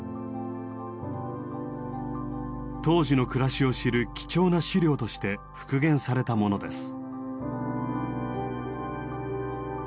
当時の暮らしを知る貴重な資料として復元されたものです。